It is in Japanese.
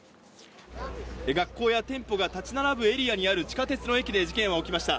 学校や店舗が建ち並ぶエリアにある地下鉄の駅で事件は起きました。